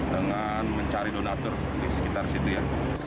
dengan mencari donatur di sekitar situ ya